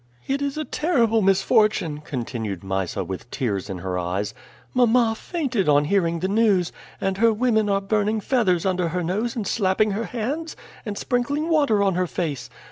"It is a terrible misfortune!" continued Mysa with tears in her eyes. "Mamma fainted on hearing the news, and her women are burning feathers under her nose and slapping her hands and sprinkling water on her face.